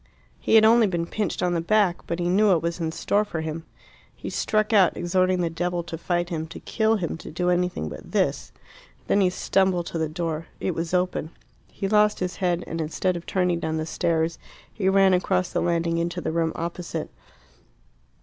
He had only been pinched on the back, but he knew what was in store for him. He struck out, exhorting the devil to fight him, to kill him, to do anything but this. Then he stumbled to the door. It was open. He lost his head, and, instead of turning down the stairs, he ran across the landing into the room opposite.